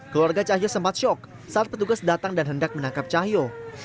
keluarga cahyo sempat syok saat petugas datang dan hendak menangkap cahyo